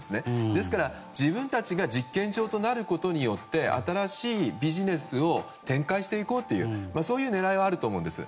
ですから、自分たちが実験場になることによって新しいビジネスを展開していこうという狙いがあると思うんです。